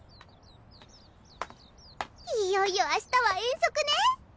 いよいよ明日は遠足ね。